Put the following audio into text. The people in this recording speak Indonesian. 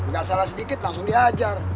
gak salah sedikit langsung dihajar